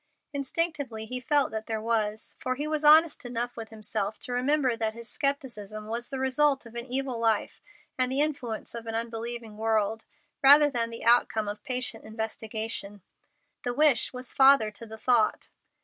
Instinctively he felt that there was, for he was honest enough with himself to remember that his scepticism was the result of an evil life and the influence of an unbelieving world, rather than the outcome of patient investigation. The wish was father to the thought.